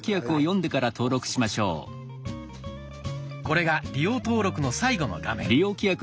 これが利用登録の最後の画面。